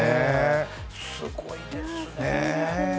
すっごいですね。